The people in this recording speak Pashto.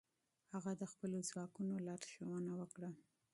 هغه د خپلو ځواکونو لارښوونه وکړه.